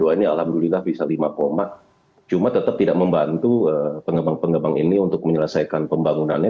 dua ribu dua puluh dua ini alhamdulillah bisa lima cuma tetap tidak membantu pengembang pengembang ini untuk menyelesaikan pembangunannya